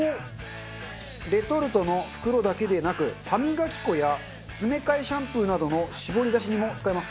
レトルトの袋だけでなく歯磨き粉や詰め替えシャンプーなどの絞り出しにも使えます。